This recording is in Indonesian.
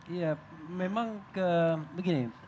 iya memang begini